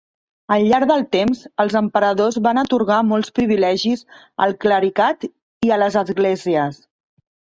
Al llarg del temps, els emperadors van atorgar molts privilegis al clericat i a les esglésies.